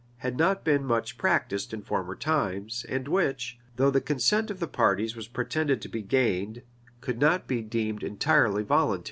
had not been much practised in former times, and which, though the consent of the parties was pretended to be gained, could not be deemed entirely voluntary.